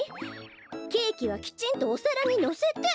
ケーキはきちんとおさらにのせて。